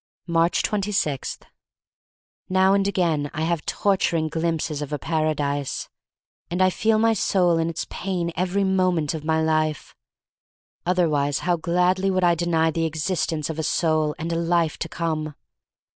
Aatcb 26. NOW and again I have torturing glimpses of a Paradise. And I feel my soul in its pain every moment of my life. Otherwise, how gladly would I deny the existence of a soul and a life to come!